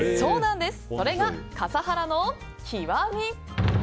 それが笠原の極み！